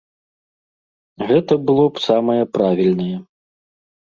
Гэта было б самае правільнае.